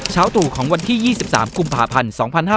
เช้าตู่ของวันที่๒๓คุมภาพันธ์๒๕๖๓